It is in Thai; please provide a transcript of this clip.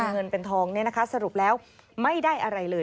เงินเป็นทองสรุปแล้วไม่ได้อะไรเลย